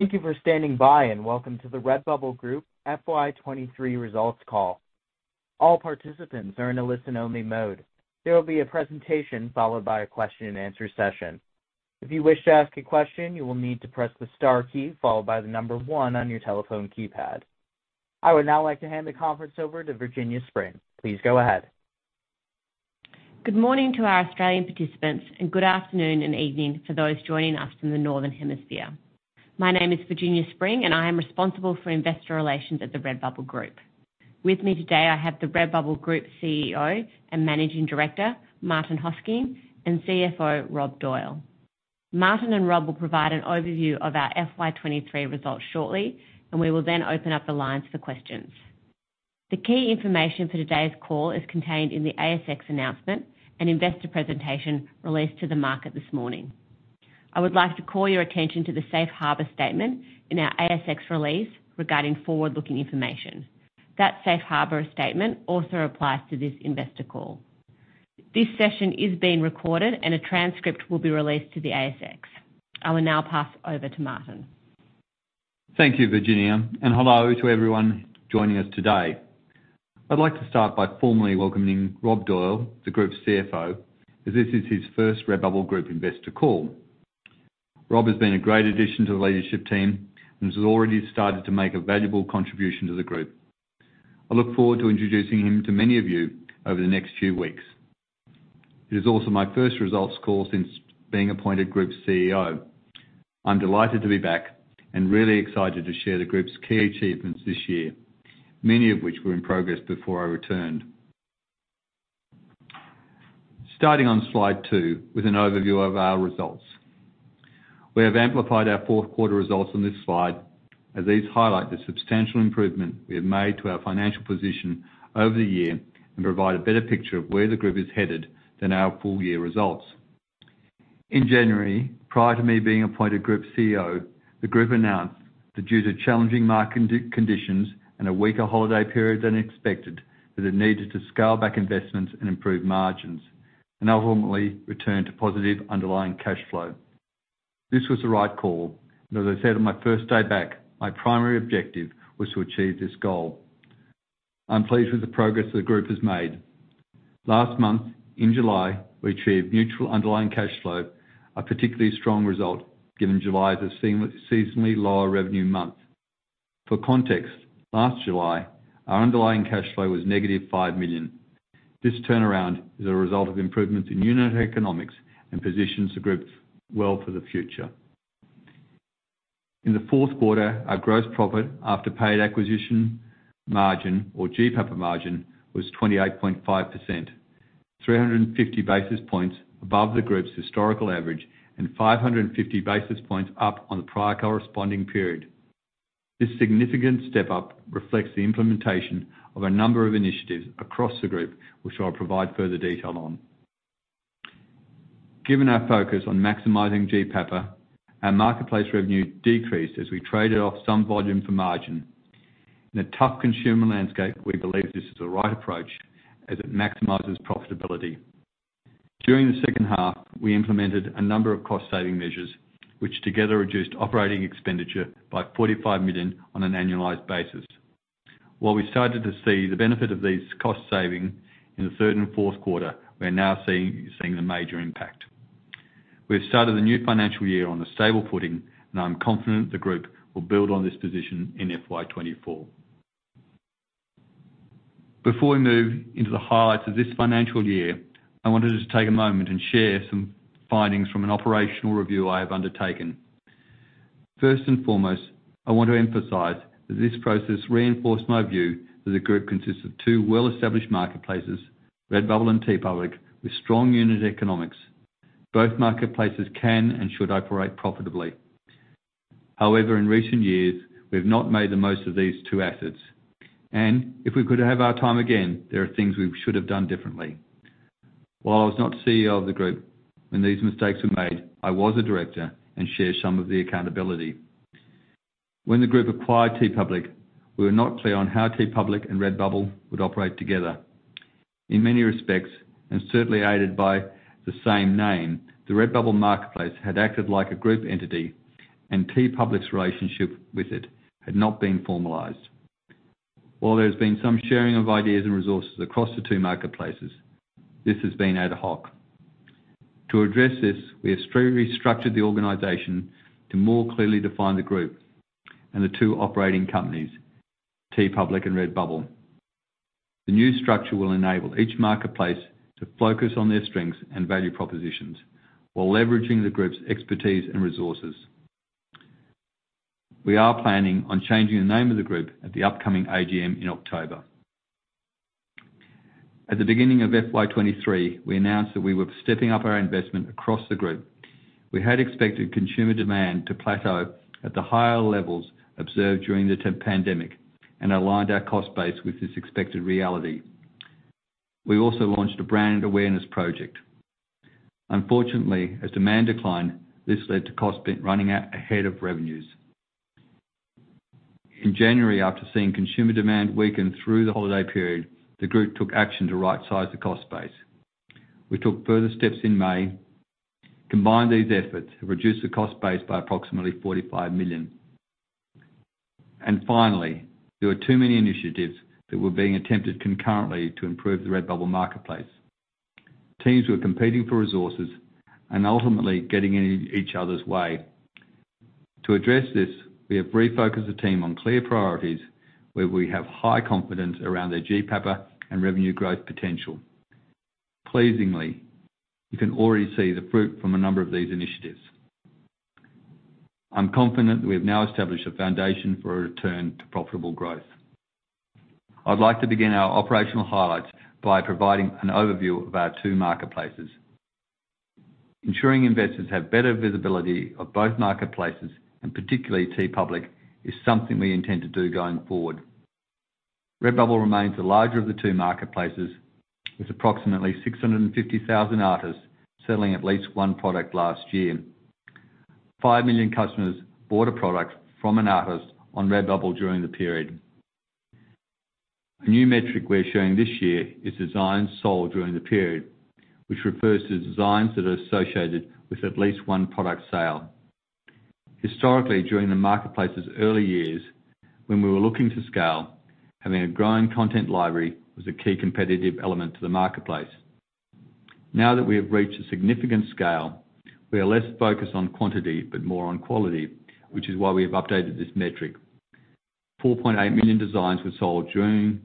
Thank you for standing by, and welcome to the Articore Group FY23 results call. All participants are in a listen-only mode. There will be a presentation, followed by a question-and-answer session. If you wish to ask a question, you will need to press the star key, followed by 1 on your telephone keypad. I would now like to hand the conference over to Virginia Spring. Please go ahead. Good morning to our Australian participants, and good afternoon and evening for those joining us from the Northern Hemisphere. My name is Virginia Spring, I am responsible for investor relations at the Articore Group. With me today, I have the Articore Group CEO and Managing Director, Martin Hosking, CFO, Rob Doyle. Martin and Rob will provide an overview of our FY23 results shortly, we will then open up the lines for questions. The key information for today's call is contained in the ASX announcement and investor presentation released to the market this morning. I would like to call your attention to the Safe Harbor statement in our ASX release regarding forward-looking information. That Safe Harbour statement also applies to this investor call. This session is being recorded, a transcript will be released to the ASX. I will now pass over to Martin. Thank you, Virginia. Hello to everyone joining us today. I'd like to start by formally welcoming Rob Doyle, the group's CFO, as this is his first Articore Group investor call. Rob has been a great addition to the leadership team and has already started to make a valuable contribution to the group. I look forward to introducing him to many of you over the next few weeks. It is also my first results call since being appointed group CEO. I'm delighted to be back and really excited to share the group's key achievements this year, many of which were in progress before I returned. Starting on Slide 2 with an overview of our results. We have amplified our fourth quarter results on this slide, as these highlight the substantial improvement we have made to our financial position over the year and provide a better picture of where the Group is headed than our full-year results. In January, prior to me being appointed Group CEO, the Group announced that due to challenging market conditions and a weaker holiday period than expected, that it needed to scale back investments and improve margins and ultimately return to positive underlying cash flow. This was the right call, and as I said on my first day back, my primary objective was to achieve this goal. I'm pleased with the progress the Group has made. Last month, in July, we achieved neutral underlying cash flow, a particularly strong result given July is a seasonally lower revenue month. For context, last July, our underlying cash flow was negative 5 million. This turnaround is a result of improvements in unit economics and positions the group well for the future. In the fourth quarter, our Gross Profit After Paid Acquisition margin, or GPAPA margin, was 28.5%, 350 basis points above the group's historical average and 550 basis points up on the prior corresponding period. This significant step up reflects the implementation of a number of initiatives across the group, which I'll provide further detail on. Given our focus on maximizing GPAPA, our Marketplace Revenue decreased as we traded off some volume for margin. In a tough consumer landscape, we believe this is the right approach as it maximizes profitability. During the second half, we implemented a number of cost-saving measures, which together reduced operating expenditure by 45 million on an annualized basis. While we started to see the benefit of these cost savings in the third and fourth quarter, we're now seeing the major impact. We've started the new financial year on a stable footing, and I'm confident the group will build on this position in FY24. Before we move into the highlights of this financial year, I wanted to take a moment and share some findings from an operational review I have undertaken. First and foremost, I want to emphasize that this process reinforced my view that the group consists of two well-established marketplaces, Redbubble and TeePublic, with strong unit economics. Both marketplaces can and should operate profitably. In recent years, we've not made the most of these two assets, and if we could have our time again, there are things we should have done differently. While I was not CEO of the group when these mistakes were made, I was a director and share some of the accountability. When the group acquired TeePublic, we were not clear on how TeePublic and Redbubble would operate together. In many respects, and certainly aided by the same name, the Redbubble marketplace had acted like a group entity, and TeePublic's relationship with it had not been formalized. While there has been some sharing of ideas and resources across the two marketplaces, this has been ad hoc. To address this, we have structurally restructured the organization to more clearly define the group and the two operating companies, TeePublic and Redbubble. The new structure will enable each marketplace to focus on their strengths and value propositions while leveraging the group's expertise and resources. We are planning on changing the name of the group at the upcoming AGM in October. At the beginning of FY23, we announced that we were stepping up our investment across the Group. We had expected consumer demand to plateau at the higher levels observed during the pandemic and aligned our cost base with this expected reality. We also launched a brand awareness project. Unfortunately, as demand declined, this led to cost running out ahead of revenues. In January, after seeing consumer demand weaken through the holiday period, the Group took action to rightsize the cost base. We took further steps in May. Combined, these efforts have reduced the cost base by approximately 45 million. Finally, there were too many initiatives that were being attempted concurrently to improve the Redbubble marketplace. Teams were competing for resources and ultimately getting in each other's way. To address this, we have refocused the team on clear priorities, where we have high confidence around their GPAPA and revenue growth potential. Pleasingly, you can already see the fruit from a number of these initiatives. I'm confident we have now established a foundation for a return to profitable growth. I'd like to begin our operational highlights by providing an overview of our two marketplaces. Ensuring investors have better visibility of both marketplaces, and particularly TeePublic, is something we intend to do going forward. Redbubble remains the larger of the two marketplaces, with approximately 650,000 artists selling at least one product last year. 5 million customers bought a product from an artist on Redbubble during the period. A new metric we're showing this year is designs sold during the period, which refers to designs that are associated with at least one product sale. Historically, during the marketplace's early years, when we were looking to scale, having a growing content library was a key competitive element to the marketplace. Now that we have reached a significant scale, we are less focused on quantity, but more on quality, which is why we have updated this metric. 4.8 million designs were sold during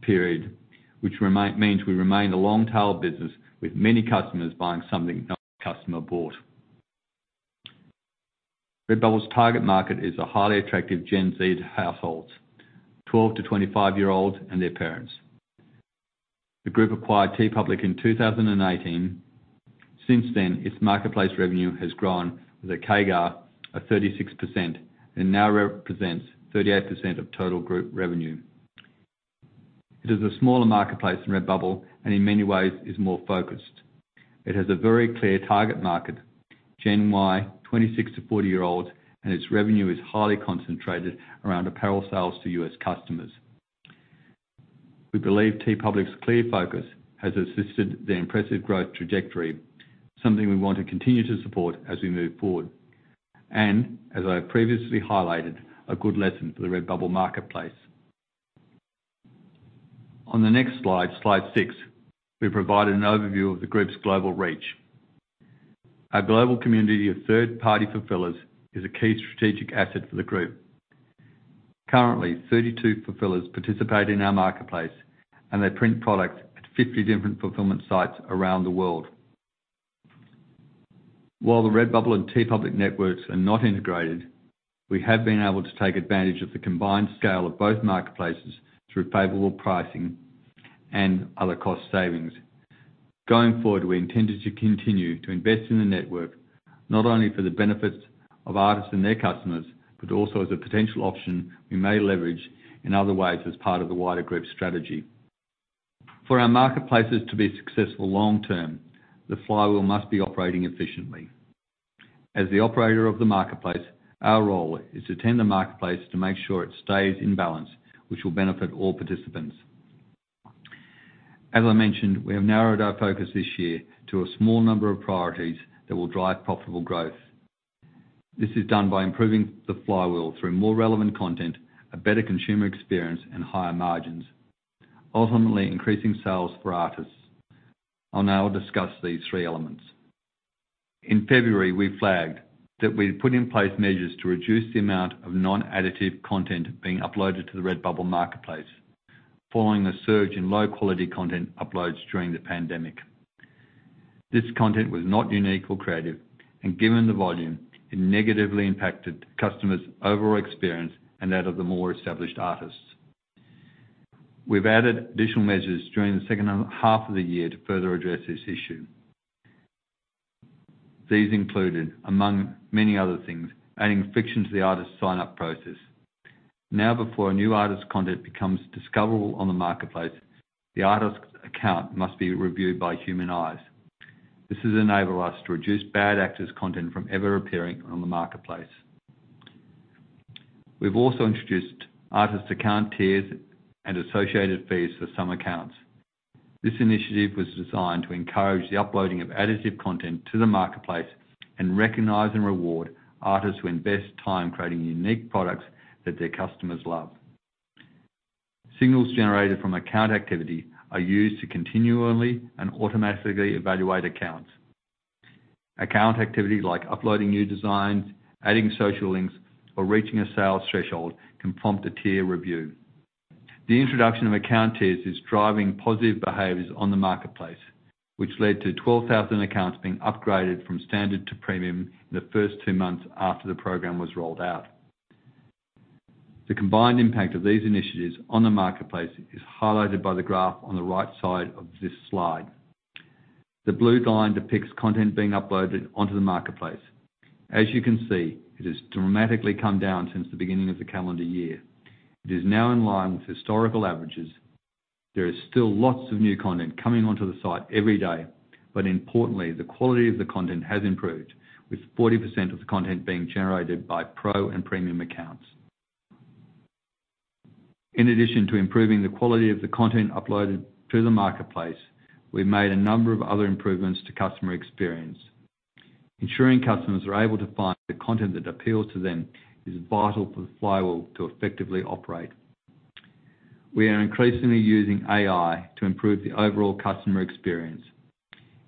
the period, which means we remain a long-tail business, with many customers buying something no customer bought. Redbubble's target market is the highly attractive Gen Z households, 12 to 25-year-olds, and their parents. The group acquired TeePublic in 2018. Since then, its Marketplace Revenue has grown with a CAGR of 36% and now represents 38% of total group revenue. It is a smaller marketplace than Redbubble, and in many ways is more focused. It has a very clear target market, Gen Y, 26 to 40-year-olds, and its revenue is highly concentrated around apparel sales to U.S. customers. We believe TeePublic's clear focus has assisted their impressive growth trajectory, something we want to continue to support as we move forward, and as I previously highlighted, a good lesson for the Redbubble marketplace. On the next slide, Slide 6, we've provided an overview of the group's global reach. Our global community of third-party fulfillers is a key strategic asset for the group. Currently, 32 fulfillers participate in our marketplace, and they print products at 50 different fulfillment sites around the world. While the Redbubble and TeePublic networks are not integrated, we have been able to take advantage of the combined scale of both marketplaces through favorable pricing and other cost savings. Going forward, we intended to continue to invest in the network, not only for the benefit of artists and their customers, but also as a potential option we may leverage in other ways as part of the wider group strategy. For our marketplaces to be successful long term, the flywheel must be operating efficiently. As the operator of the marketplace, our role is to tend the marketplace to make sure it stays in balance, which will benefit all participants. As I mentioned, we have narrowed our focus this year to a small number of priorities that will drive profitable growth. This is done by improving the flywheel through more relevant content, a better consumer experience, and higher margins, ultimately increasing sales for artists. I'll now discuss these three elements. In February, we flagged that we'd put in place measures to reduce the amount of non-additive content being uploaded to the Redbubble marketplace, following a surge in low-quality content uploads during the pandemic. This content was not unique or creative, and given the volume, it negatively impacted customers' overall experience and that of the more established artists. We've added additional measures during the second half of the year to further address this issue. These included, among many other things, adding friction to the artist sign-up process. Now, before a new artist's content becomes discoverable on the marketplace, the artist's account must be reviewed by human eyes. This has enabled us to reduce bad actors' content from ever appearing on the marketplace. We've also introduced artist account tiers and associated fees for some accounts. This initiative was designed to encourage the uploading of additive content to the marketplace and recognize and reward artists who invest time creating unique products that their customers love. Signals generated from account activity are used to continually and automatically evaluate accounts. Account activity like uploading new designs, adding social links, or reaching a sales threshold, can prompt a tier review. The introduction of account tiers is driving positive behaviors on the marketplace, which led to 12,000 accounts being upgraded from standard to premium in the first two months after the program was rolled out. The combined impact of these initiatives on the marketplace is highlighted by the graph on the right side of this slide. The blue line depicts content being uploaded onto the marketplace. As you can see, it has dramatically come down since the beginning of the calendar year. It is now in line with historical averages. There is still lots of new content coming onto the site every day, importantly, the quality of the content has improved, with 40% of the content being generated by Pro and Premium accounts. In addition to improving the quality of the content uploaded to the marketplace, we've made a number of other improvements to customer experience. Ensuring customers are able to find the content that appeals to them is vital for the flywheel to effectively operate. We are increasingly using AI to improve the overall customer experience.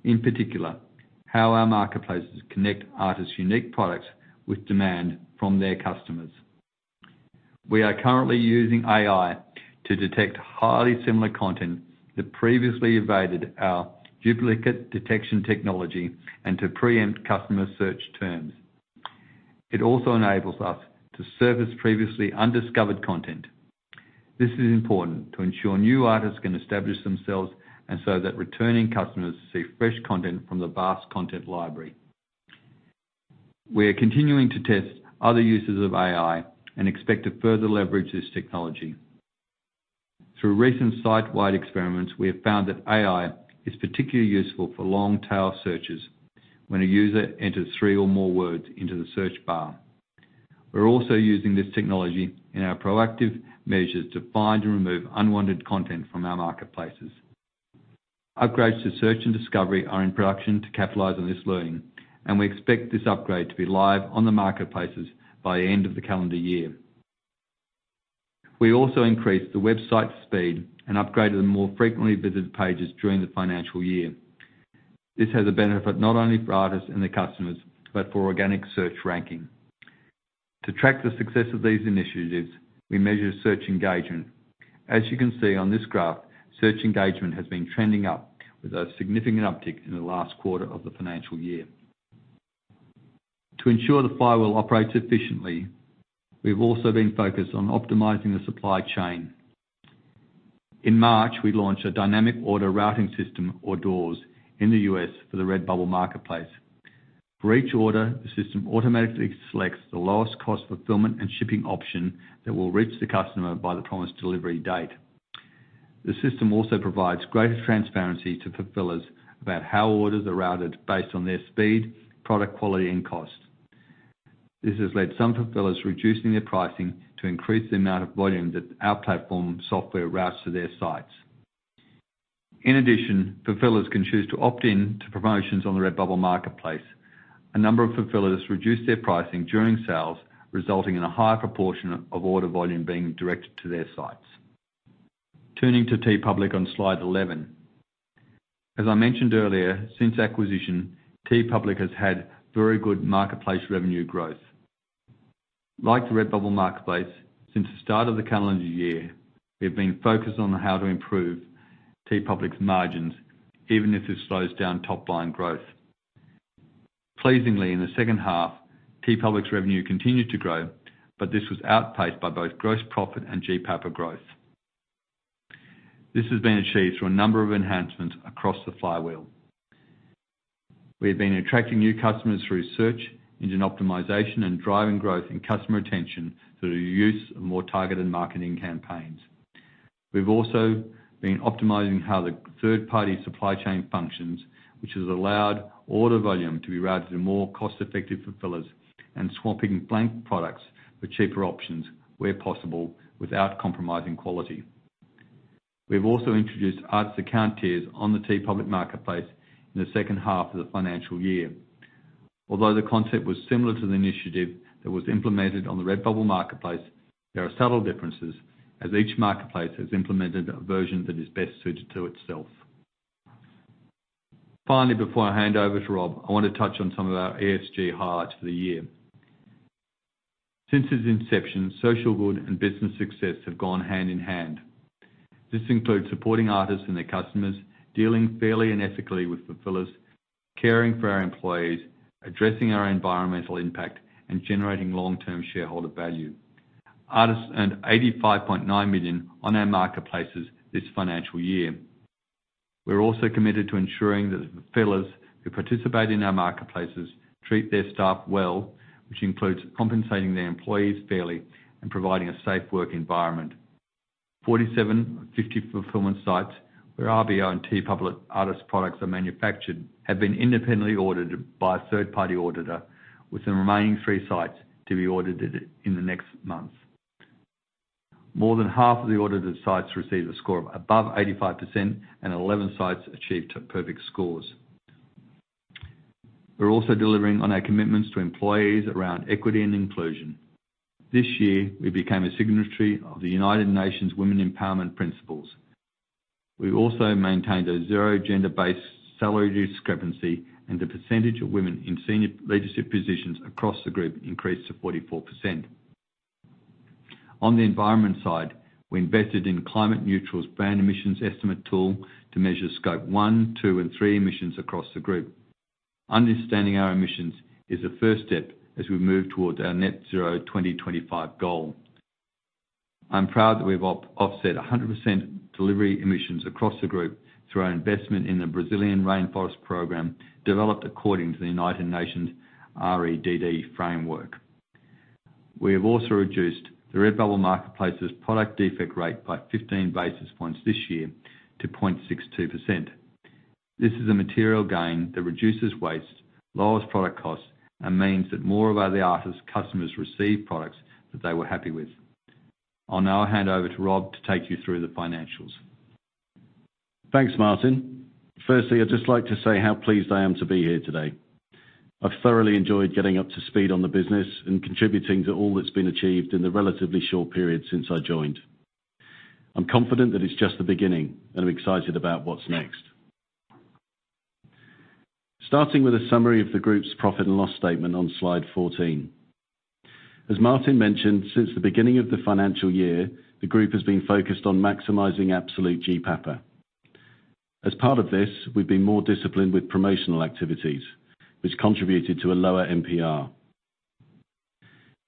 In particular, how our marketplaces connect artists' unique products with demand from their customers. We are currently using AI to detect highly similar content that previously evaded our duplicate detection technology and to preempt customer search terms. It also enables us to surface previously undiscovered content. This is important to ensure new artists can establish themselves, and so that returning customers see fresh content from the vast content library. We are continuing to test other uses of AI and expect to further leverage this technology. Through recent site-wide experiments, we have found that AI is particularly useful for long-tail searches when a user enters three or more words into the search bar. We're also using this technology in our proactive measures to find and remove unwanted content from our marketplaces. Upgrades to search and discovery are in production to capitalize on this learning, and we expect this upgrade to be live on the marketplaces by the end of the calendar year. We also increased the website speed and upgraded the more frequently visited pages during the financial year. This has a benefit not only for artists and their customers, but for organic search ranking. To track the success of these initiatives, we measure search engagement. As you can see on this graph, search engagement has been trending up, with a significant uptick in the last quarter of the financial year. To ensure the flywheel operates efficiently, we've also been focused on optimizing the supply chain. In March, we launched a Dynamic Order Routing System, or DORS, in the US for the Redbubble marketplace. For each order, the system automatically selects the lowest-cost fulfillment and shipping option that will reach the customer by the promised delivery date. The system also provides greater transparency to fulfillers about how orders are routed based on their speed, product quality, and cost. This has led some fulfillers reducing their pricing to increase the amount of volume that our platform software routes to their sites. In addition, fulfillers can choose to opt in to promotions on the Redbubble marketplace. A number of fulfillers reduced their pricing during sales, resulting in a higher proportion of order volume being directed to their sites. Turning to TeePublic on Slide 11. As I mentioned earlier, since acquisition, TeePublic has had very good marketplace revenue growth. Like the Redbubble marketplace, since the start of the calendar year, we've been focused on how to improve TeePublic's margins, even if this slows down top-line growth. Pleasingly, in the second half, TeePublic's revenue continued to grow, this was outpaced by both gross profit and GPAP growth. This has been achieved through a number of enhancements across the flywheel. We've been attracting new customers through search engine optimization, and driving growth and customer retention through the use of more targeted marketing campaigns. We've also been optimizing how the third-party supply chain functions, which has allowed order volume to be routed to more cost-effective fulfillers and swapping blank products for cheaper options where possible, without compromising quality. We've also introduced Artist account tiers on the TeePublic marketplace in the second half of the financial year. The concept was similar to the initiative that was implemented on the Redbubble marketplace, there are subtle differences, as each marketplace has implemented a version that is best suited to itself. Finally, before I hand over to Rob, I want to touch on some of our ESG highlights for the year. Since its inception, social good and business success have gone hand in hand. This includes supporting artists and their customers, dealing fairly and ethically with fulfillers, caring for our employees, addressing our environmental impact, and generating long-term shareholder value. Artists earned 85.9 million on our marketplaces this financial year. We're also committed to ensuring that the fulfillers who participate in our marketplaces treat their staff well, which includes compensating their employees fairly and providing a safe work environment. 47 of 50 fulfillment sites where RBO and TeePublic artist products are manufactured have been independently audited by a third-party auditor, with the remaining three sites to be audited in the next months. More than half of the audited sites received a score of above 85%, and 11 sites achieved perfect scores. We're also delivering on our commitments to employees around equity and inclusion. This year, we became a signatory of the United Nations Women's Empowerment Principles. We've also maintained a zero gender-based salary discrepancy, and the percentage of women in senior leadership positions across the group increased to 44%. On the environment side, we invested in Climate Neutral's brand emissions estimate tool to measure Scope 1, 2, and 3 emissions across the group. Understanding our emissions is the first step as we move towards our Net Zero 2025 goal. I'm proud that we've offset 100% delivery emissions across the group through our investment in the Brazilian Rainforest Program, developed according to the United Nations REDD Programme. We have also reduced the Redbubble marketplace's product defect rate by 15 basis points this year to 0.62%. This is a material gain that reduces waste, lowers product costs, and means that more of our artists' customers receive products that they were happy with. I'll now hand over to Rob to take you through the financials. Thanks, Martin. Firstly, I'd just like to say how pleased I am to be here today. I've thoroughly enjoyed getting up to speed on the business and contributing to all that's been achieved in the relatively short period since I joined. I'm confident that it's just the beginning, and I'm excited about what's next. Starting with a summary of the group's profit and loss statement on Slide 14. As Martin mentioned, since the beginning of the financial year, the group has been focused on maximizing absolute GPAPA. As part of this, we've been more disciplined with promotional activities, which contributed to a lower MPR.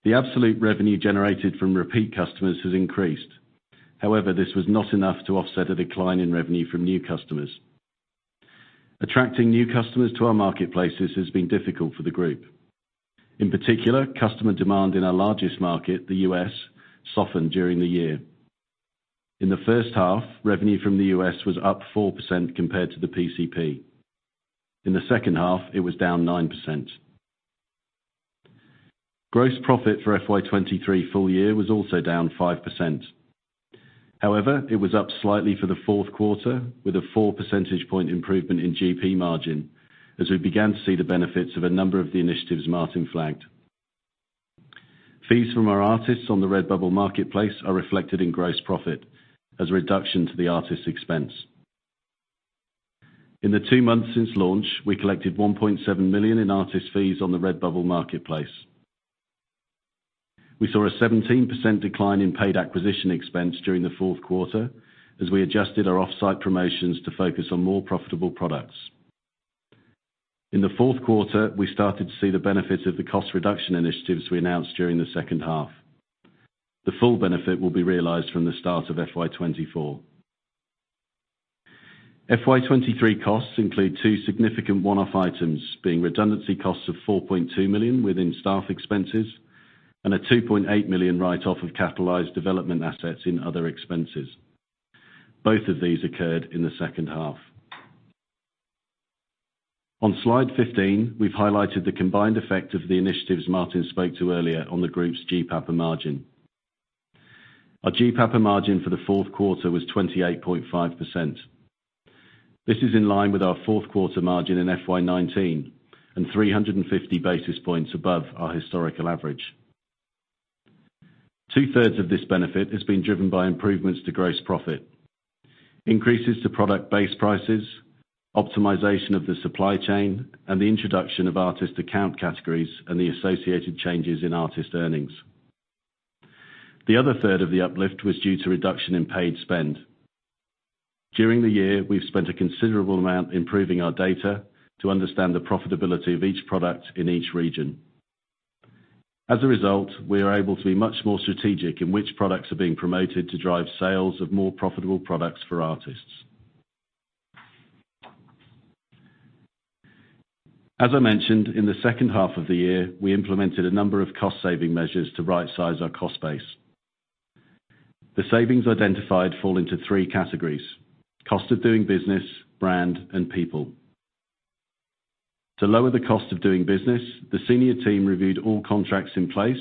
The absolute revenue generated from repeat customers has increased. However, this was not enough to offset a decline in revenue from new customers. Attracting new customers to our marketplaces has been difficult for the group. In particular, customer demand in our largest market, the U.S., softened during the year. In the first half, revenue from the U.S. was up 4% compared to the PCP. In the second half, it was down 9%. Gross profit for FY23 full year was also down 5%. However, it was up slightly for the fourth quarter, with a 4 percentage point improvement in GP margin, as we began to see the benefits of a number of the initiatives Martin flagged. Fees from our artists on the Redbubble marketplace are reflected in gross profit as a reduction to the artist's expense. In the two months since launch, we collected $1.7 million in artist fees on the Redbubble marketplace. We saw a 17% decline in paid acquisition expense during the fourth quarter as we adjusted our off-site promotions to focus on more profitable products. In the fourth quarter, we started to see the benefits of the cost reduction initiatives we announced during the second half. The full benefit will be realized from the start of FY24. FY23 costs include two significant one-off items, being redundancy costs of $4.2 million within staff expenses and a $2.8 million write-off of capitalized development assets in other expenses. Both of these occurred in the second half. On Slide 15, we've highlighted the combined effect of the initiatives Martin spoke to earlier on the group's GPAPA margin. Our GPAPA margin for the fourth quarter was 28.5%. This is in line with our fourth quarter margin in FY19 and 350 basis points above our historical average. Two-thirds of this benefit has been driven by improvements to Gross Profit, increases to product base prices, optimization of the supply chain, and the introduction of Artist account tiers and the associated changes in artist earnings. The other third of the uplift was due to reduction in paid spend. During the year, we've spent a considerable amount improving our data to understand the profitability of each product in each region. As a result, we are able to be much more strategic in which products are being promoted to drive sales of more profitable products for artists. As I mentioned, in the second half of the year, we implemented a number of cost-saving measures to rightsize our cost base. The savings identified fall into three categories: cost of doing business, brand, and people. To lower the cost of doing business, the senior team reviewed all contracts in place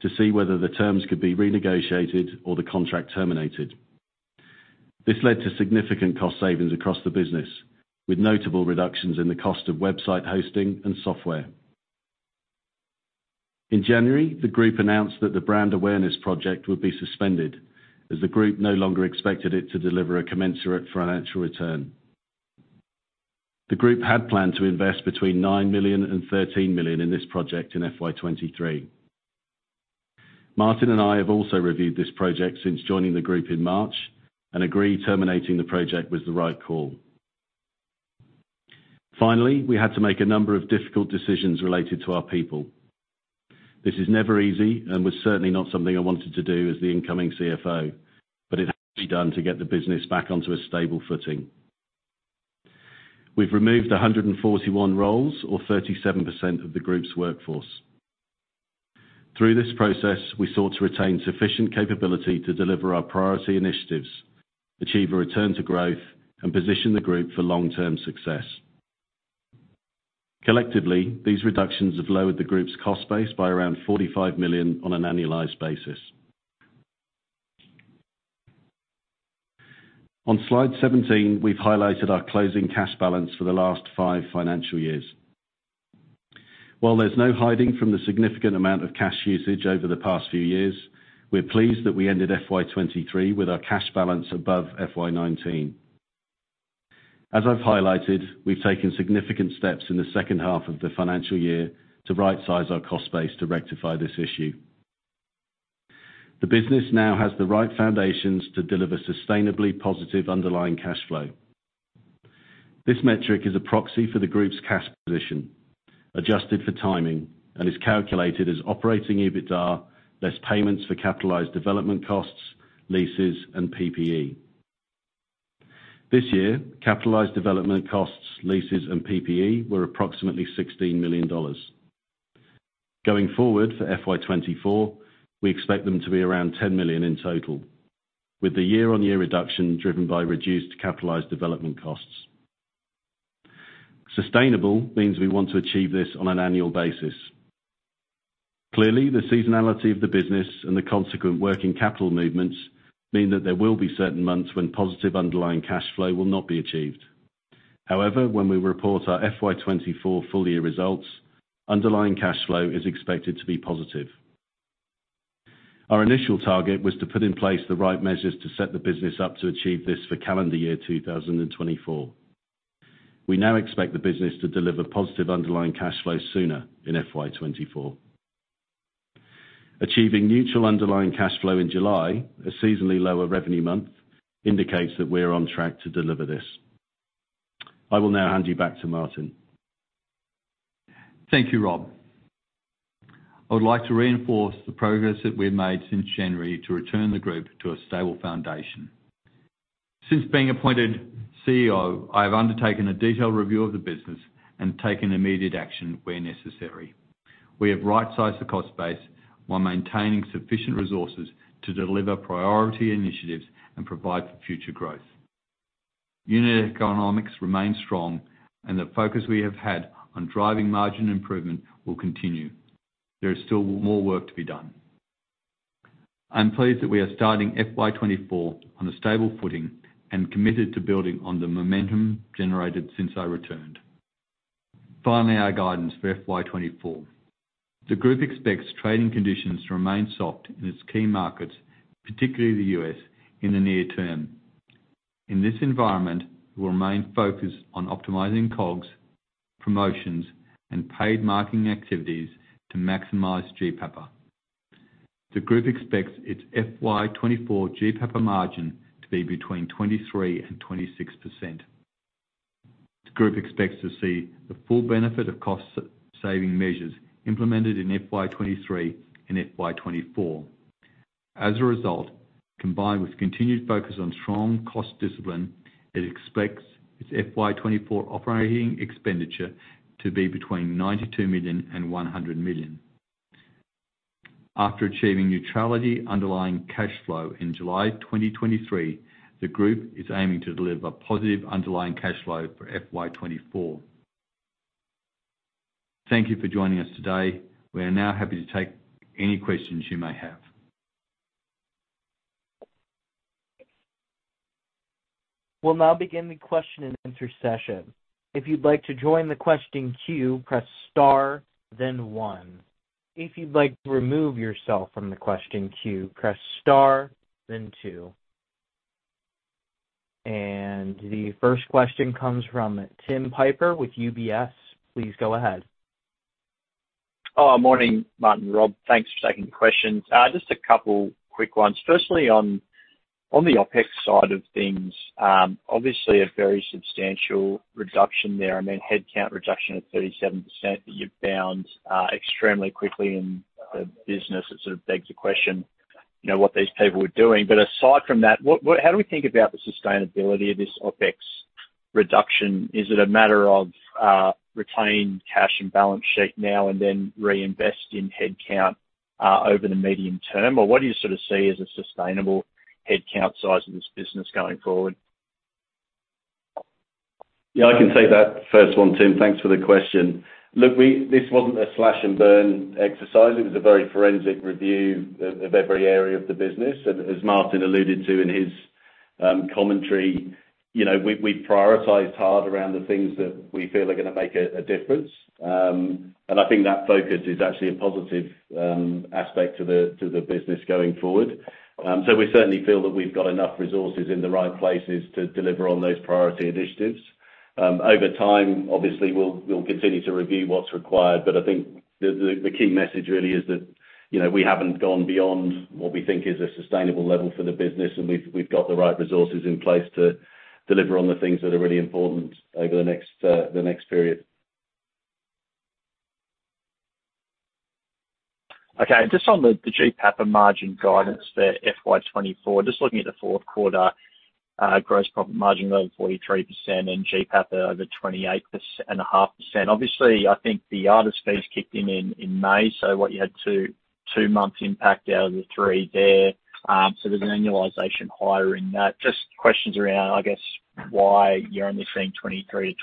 to see whether the terms could be renegotiated or the contract terminated. This led to significant cost savings across the business, with notable reductions in the cost of website hosting and software. In January, the group announced that the brand awareness project would be suspended as the group no longer expected it to deliver a commensurate financial return. The group had planned to invest between 9 million and 13 million in this project in FY23. Martin and I have also reviewed this project since joining the group in March and agree terminating the project was the right call. Finally, we had to make a number of difficult decisions related to our people. This is never easy and was certainly not something I wanted to do as the incoming CFO, it had to be done to get the business back onto a stable footing. We've removed 141 roles or 37% of the group's workforce. Through this process, we sought to retain sufficient capability to deliver our priority initiatives, achieve a return to growth, and position the group for long-term success. Collectively, these reductions have lowered the group's cost base by around 45 million on an annualized basis. On Slide 17, we've highlighted our closing cash balance for the last five financial years. While there's no hiding from the significant amount of cash usage over the past few years, we're pleased that we ended FY23 with our cash balance above FY19. As I've highlighted, we've taken significant steps in the second half of the financial year to rightsize our cost base to rectify this issue. The business now has the right foundations to deliver sustainably positive underlying cash flow. This metric is a proxy for the group's cash position, adjusted for timing, and is calculated as operating EBITDA, less payments for capitalized development costs, leases, and PPE. This year, capitalized development costs, leases, and PPE were approximately $16 million. Going forward for FY24, we expect them to be around $10 million in total, with the year-on-year reduction driven by reduced capitalized development costs. Sustainable means we want to achieve this on an annual basis. Clearly, the seasonality of the business and the consequent working capital movements mean that there will be certain months when positive underlying cash flow will not be achieved. However, when we report our FY24 full year results, underlying cash flow is expected to be positive. Our initial target was to put in place the right measures to set the business up to achieve this for calendar year 2024. We now expect the business to deliver positive underlying cash flow sooner in FY24. Achieving neutral underlying cash flow in July, a seasonally lower revenue month, indicates that we are on track to deliver this. I will now hand you back to Martin. Thank you, Rob. I would like to reinforce the progress that we've made since January to return the group to a stable foundation. Since being appointed CEO, I have undertaken a detailed review of the business and taken immediate action where necessary. We have right-sized the cost base while maintaining sufficient resources to deliver priority initiatives and provide for future growth. Unit economics remain strong, and the focus we have had on driving margin improvement will continue. There is still more work to be done. I'm pleased that we are starting FY24 on a stable footing and committed to building on the momentum generated since I returned. Finally, our guidance for FY24. The group expects trading conditions to remain soft in its key markets, particularly the US, in the near term. In this environment, we'll remain focused on optimizing COGS, promotions, and paid marketing activities to maximize GPAPA. The group expects its FY24 GPAPA margin to be between 23% and 26%. The group expects to see the full benefit of cost saving measures implemented in FY23 and FY24. As a result, combined with continued focus on strong cost discipline, it expects its FY24 operating expenditure to be between $92 million and $100 million. After achieving neutrality underlying cash flow in July 2023, the group is aiming to deliver positive underlying cash flow for FY24. Thank you for joining us today. We are now happy to take any questions you may have. We'll now begin the question and answer session. If you'd like to join the question queue, press star, then 1. If you'd like to remove yourself from the question queue, press star, then two. The first question comes from Tim Piper with UBS. Please go ahead. Oh, morning, Martin, Rob. Thanks for taking the questions. Just a couple quick ones. Firstly, on, on the OpEx side of things, obviously a very substantial reduction there. I mean, headcount reduction of 37% that you've found extremely quickly in the business, it sort of begs the question, you know, what these people were doing. Aside from that, how do we think about the sustainability of this OpEx reduction? Is it a matter of retain cash and balance sheet now and then reinvest in headcount over the medium term, or what do you sort of see as a sustainable headcount size of this business going forward? Yeah, I can take that first one, Tim. Thanks for the question. Look, this wasn't a slash and burn exercise. It was a very forensic review of every area of the business. And as Martin alluded to in his commentary, you know, we've prioritized hard around the things that we feel are gonna make a difference. And I think that focus is actually a positive aspect to the business going forward. We certainly feel that we've got enough resources in the right places to deliver on those priority initiatives. Over time, obviously, we'll, we'll continue to review what's required, but I think the, the, the key message really is that, you know, we haven't gone beyond what we think is a sustainable level for the business, and we've, we've got the right resources in place to deliver on the things that are really important over the next, the next period. Okay. Just on the GPAPA margin guidance there, FY24, just looking at the fourth quarter, gross profit margin of 43% and GPAPA over 28.5%. Obviously, I think the artist fees kicked in, in May, so what you had two, two months impact out of the 3 there, so there's an annualization higher in that. Just questions around, I guess, why you're only seeing 23%-26%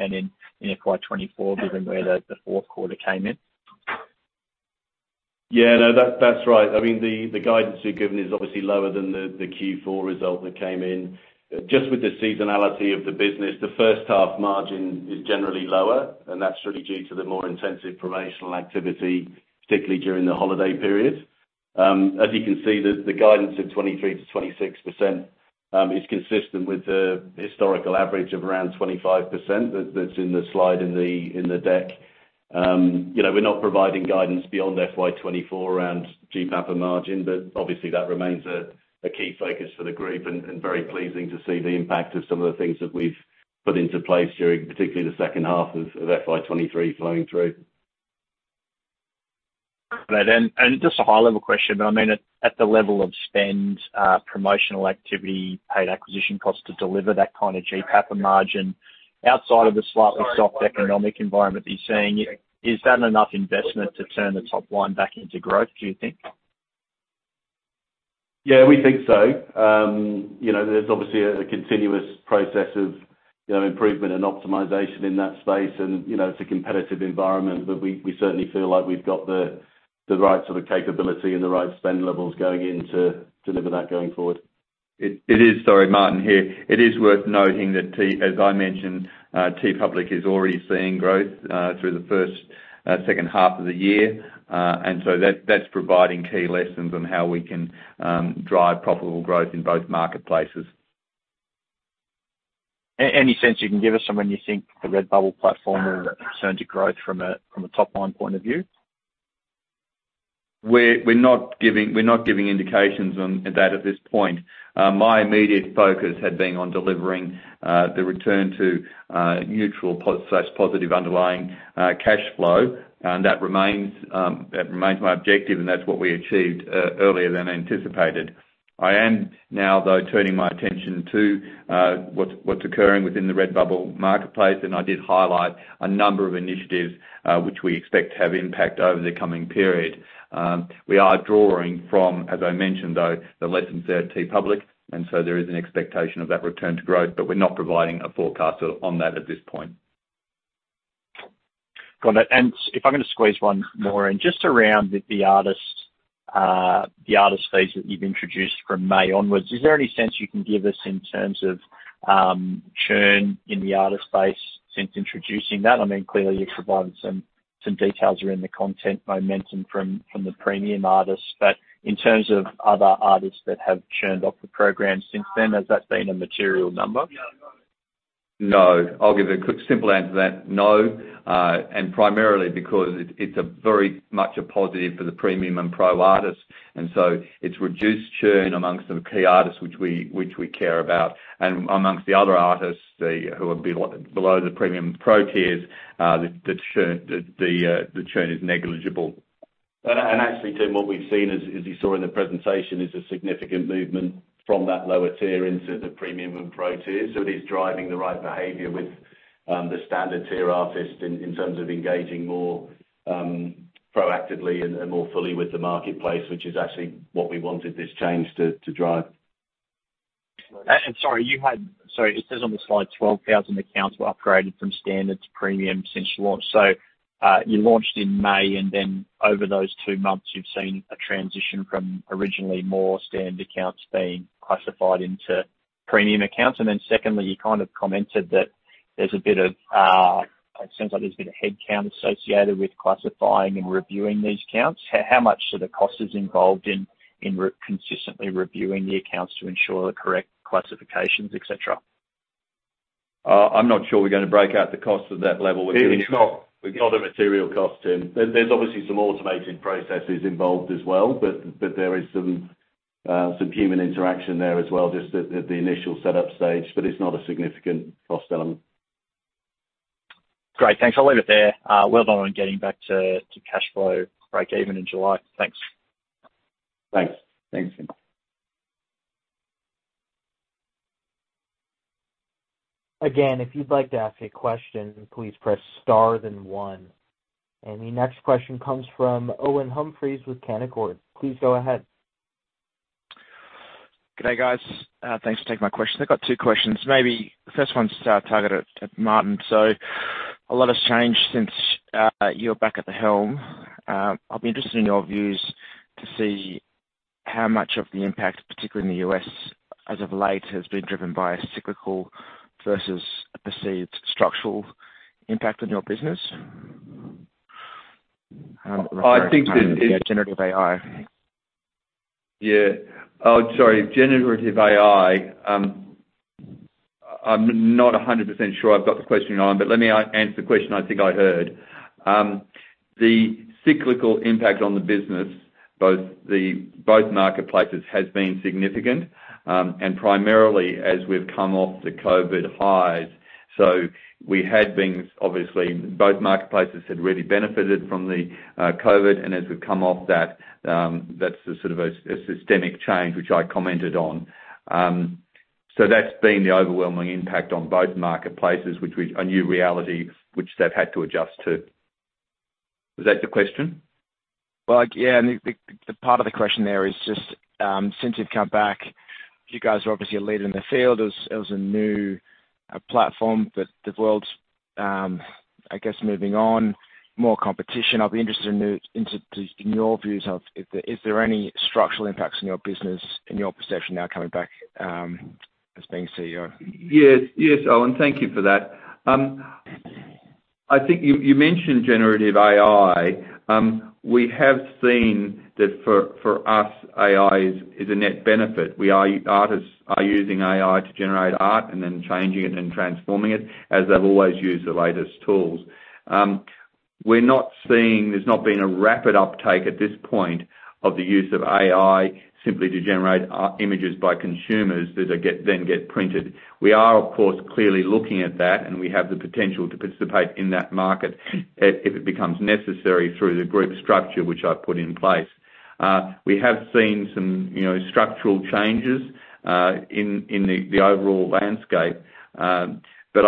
in FY24, given where the fourth quarter came in? Yeah, no, that's, that's right. I mean, the, the guidance we've given is obviously lower than the, the Q4 result that came in. Just with the seasonality of the business, the first half margin is generally lower, and that's really due to the more intensive promotional activity, particularly during the holiday period. As you can see, the, the guidance of 23%-26%, is consistent with the historical average of around 25% that's in the slide in the, in the deck. You know, we're not providing guidance beyond FY24 around GPAPA margin, but obviously, that remains a, a key focus for the group and, and very pleasing to see the impact of some of the things that we've put into place during particularly the second half of, of FY23 flowing through. Got it. And just a high level question, but I mean, at, at the level of spend, promotional activity, paid acquisition costs to deliver that kind of GPAPA and margin, outside of the slightly soft economic environment that you're seeing, is that enough investment to turn the top line back into growth, do you think? Yeah, we think so. You know, there's obviously a, a continuous process of, you know, improvement and optimization in that space, and, you know, it's a competitive environment. We, we certainly feel like we've got the, the right sort of capability and the right spend levels going in to deliver that going forward. It, it is. Sorry, Martin here. It is worth noting that as I mentioned, TeePublic is already seeing growth through the first, second half of the year. So that's providing key lessons on how we can drive profitable growth in both marketplaces. any sense you can give us on when you think the Redbubble platform will return to growth from a, from a top-line point of view? We're, we're not giving, we're not giving indications on that at this point. My immediate focus had been on delivering the return to neutral pos/positive underlying cash flow, and that remains, that remains my objective, and that's what we achieved earlier than anticipated. I am now, though, turning my attention to what's, what's occurring within the Redbubble marketplace, and I did highlight a number of initiatives, which we expect to have impact over the coming period. We are drawing from, as I mentioned, though, the lessons at TeePublic, and so there is an expectation of that return to growth, but we're not providing a forecast on that at this point. Got it. If I'm going to squeeze one more in, just around the artist, the artist fees that you've introduced from May onwards, is there any sense you can give us in terms of churn in the artist base since introducing that? I mean, clearly, you've provided some, some details around the content momentum from, from the premium artists. In terms of other artists that have churned off the program since then, has that been a material number? No. I'll give a quick, simple answer to that. No. Primarily because it, it's a very much a positive for the Premium and Pro artists, and so it's reduced churn amongst the key artists, which we, which we care about. Amongst the other artists, who would be below the Premium Pro Tiers, the, the churn, the, the churn is negligible. Actually, Tim, what we've seen as, as you saw in the presentation, is a significant movement from that lower tier into the premium and pro tier. It is driving the right behavior with the standard tier artists in terms of engaging more proactively and more fully with the marketplace, which is actually what we wanted this change to drive. Sorry, it says on the slide, 12,000 accounts were upgraded from standard to premium since you launched. You launched in May, over those 2 months, you've seen a transition from originally more standard accounts being classified into premium accounts. Secondly, you kind of commented that there's a bit of, it seems like there's been a headcount associated with classifying and reviewing these accounts. How much so the cost is involved in consistently reviewing the accounts to ensure the correct classifications, et cetera? I'm not sure we're going to break out the cost of that level. It's not, we've got a material cost, Tim. There's, there's obviously some automated processes involved as well, but, but there is some, some human interaction there as well, just at, at the initial setup stage, but it's not a significant cost element. Great. Thanks. I'll leave it there. Well done on getting back to cash flow break even in July. Thanks. Thanks. Thanks. Again, if you'd like to ask a question, please press Star, then One. The next question comes from Owen Humphries with Canaccord. Please go ahead. Good day, guys. Thanks for taking my question. I've got two questions. Maybe the first one's targeted at Martin. A lot has changed since you're back at the helm. I'll be interested in your views to see how much of the impact, particularly in the U.S., as of late, has been driven by a cyclical versus a perceived structural impact on your business? I think this is. Generative AI. Yeah. Oh, sorry, generative AI. I'm not 100% sure I've got the question on, but let me answer the question I think I heard. The cyclical impact on the business, both marketplaces has been significant, and primarily as we've come off the COVID highs. Obviously, both marketplaces had really benefited from the COVID, and as we've come off that, that's a sort of a, a systemic change, which I commented on. That's been the overwhelming impact on both marketplaces, a new reality, which they've had to adjust to. Was that the question? Well, yeah, the, the, the part of the question there is just, since you've come back, you guys are obviously a leader in the field. There's, it was a new platform, but the world's, I guess, moving on, more competition. I'll be interested in your views of if there, is there any structural impacts in your business, in your perception now coming back, as being CEO? Yes, yes, Owen, thank you for that. I think you, you mentioned generative AI. We have seen that for, for us, AI is, is a net benefit. Artists are using AI to generate art and then changing it and transforming it, as they've always used the latest tools. There's not been a rapid uptake at this point of the use of AI simply to generate images by consumers that they get, then get printed. We are, of course, clearly looking at that, and we have the potential to participate in that market if, if it becomes necessary through the group structure, which I've put in place. We have seen some, you know, structural changes in, in the, the overall landscape.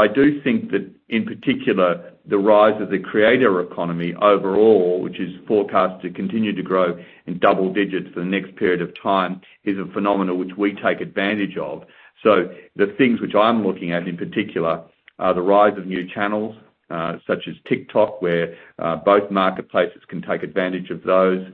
I do think that, in particular, the rise of the creator economy overall, which is forecast to continue to grow in double digits for the next period of time, is a phenomenon which we take advantage of. The things which I'm looking at in particular are the rise of new channels, such as TikTok, where both marketplaces can take advantage of those.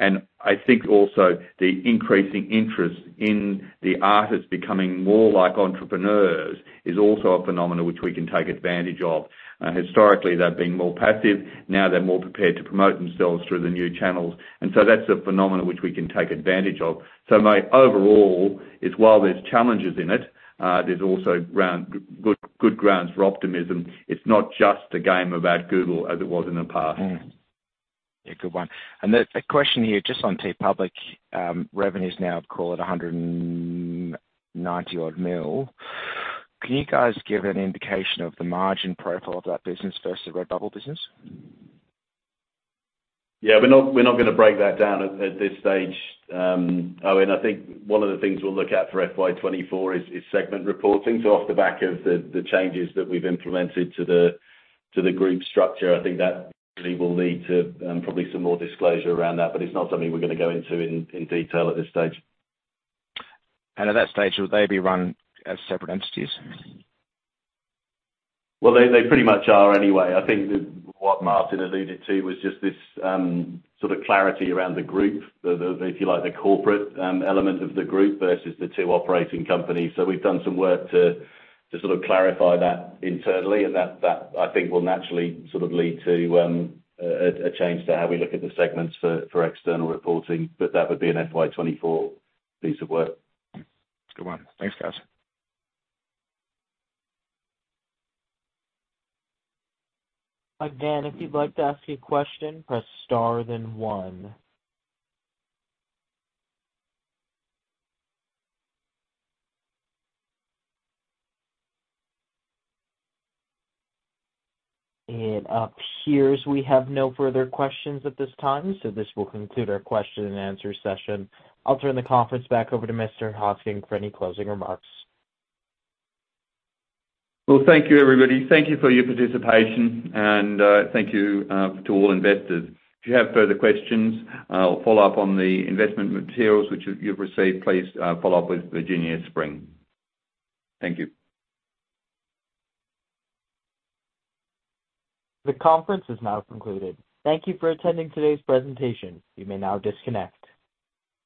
I think also the increasing interest in the artists becoming more like entrepreneurs is also a phenomenon which we can take advantage of. Historically, they've been more passive, now they're more prepared to promote themselves through the new channels. That's a phenomenon which we can take advantage of. My overall is, while there's challenges in it, there's also ground-- good, good grounds for optimism. It's not just a game about Google as it was in the past. Mm. Yeah, good one. Then a question here, just on TeePublic, revenues now call it 190 odd million. Can you guys give an indication of the margin profile of that business versus the Redbubble business? Yeah, we're not, we're not gonna break that down at, at this stage. Owen, I think one of the things we'll look at for FY24 is, is segment reporting. Off the back of the, the changes that we've implemented to the, to the group structure, I think that will lead to, probably some more disclosure around that, but it's not something we're gonna go into in, in detail at this stage. At that stage, will they be run as separate entities? Well, they, they pretty much are anyway. I think that what Martin alluded to was just this, sort of clarity around the group, if you like, the corporate, element of the group versus the two operating companies. We've done some work to, to sort of clarify that internally, and that, that, I think, will naturally sort of lead to, a, a change to how we look at the segments for, for external reporting. That would be an FY24 piece of work. Good one. Thanks, guys. Again, if you'd like to ask a question, press star then one. It appears we have no further questions at this time, so this will conclude our question and answer session. I'll turn the conference back over to Mr. Hosking for any closing remarks. Well, thank you, everybody. Thank you for your participation, and, thank you, to all investors. If you have further questions, or follow up on the investment materials which you, you've received, please, follow up with Virginia Spring. Thank you. The conference is now concluded. Thank you for attending today's presentation. You may now disconnect.